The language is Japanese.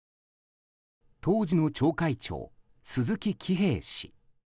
当時の町会長・鈴木喜兵衛氏。